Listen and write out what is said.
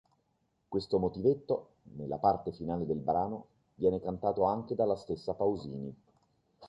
Questo motivetto, nella parte finale del brano, viene cantato anche dalla stessa Pausini.